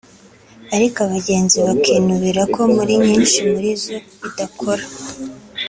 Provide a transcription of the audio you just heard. ariko abagenzi bakinubira ko muri nyinshi muri zo idakora